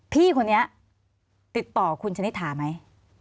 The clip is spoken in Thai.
พี่คนนี้ติดต่อคุณชนิดหาไหม